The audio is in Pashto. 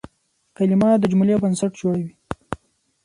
کلیمه د جملې بنسټ جوړوي.